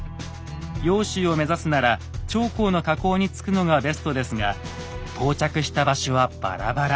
揚州を目指すなら長江の河口に着くのがベストですが到着した場所はバラバラ。